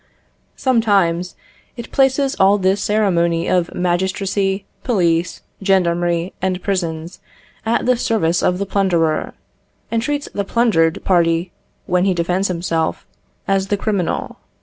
Sometimes it places all this ceremony of magistracy, police, gendarmerie, and prisons, at the service of the plunderer, and treats the plundered party, when he defends himself, as the criminal.